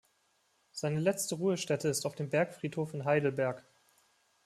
Seine letzte Ruhestätte ist auf dem Bergfriedhof in Heidelberg.